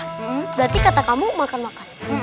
hmm berarti kata kamu makan makan